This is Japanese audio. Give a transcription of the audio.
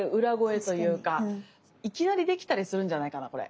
いきなりできたりするんじゃないかなこれ。